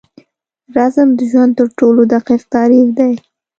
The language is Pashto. رزم د ژوند تر ټولو دقیق تعریف دی.